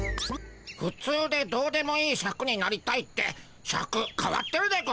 ふつうでどうでもいいシャクになりたいってシャクかわってるでゴンスね。